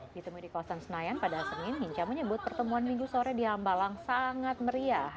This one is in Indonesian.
ditemui di kawasan senayan pada senin hinca menyebut pertemuan minggu sore di hambalang sangat meriah